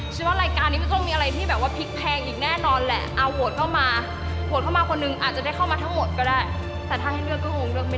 ใช่นะแม่ขอบคุณค่ะแม่ฟังแม่นะ